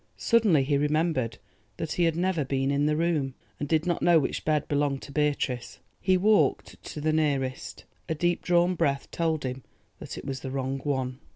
Suddenly he remembered that he had never been in the room, and did not know which bed belonged to Beatrice. He walked to the nearest; a deep drawn breath told him that it was the wrong one.